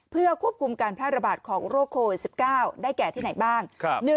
เพื่อควบคุมการแพร่ระบาดของโรคโควิด๑๙ได้แก่ที่ไหนบ้าง